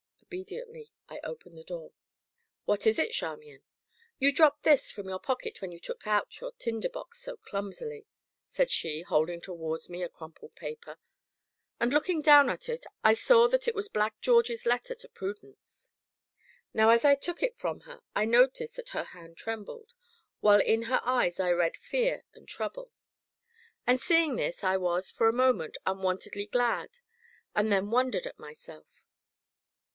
Obediently I opened the door. "What is it, Charmian?" "You dropped this from your pocket when you took out your tinder box so clumsily!" said she, holding towards me a crumpled paper. And looking down at it, I saw that it was Black George's letter to Prudence. Now, as I took it from her, I noticed that her hand trembled, while in her eyes I read fear and trouble; and seeing this, I was, for a moment, unwontedly glad, and then wondered at myself.